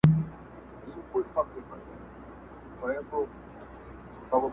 هر څوک خپل درد لري تل,